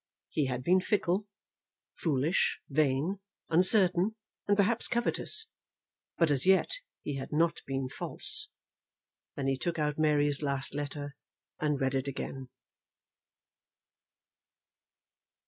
He had been fickle, foolish, vain, uncertain, and perhaps covetous; but as yet he had not been false. Then he took out Mary's last letter and read it again.